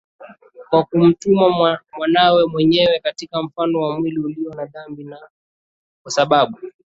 kwa kumtuma Mwanawe mwenyewe katika mfano wa mwili ulio wa dhambi na kwa sababu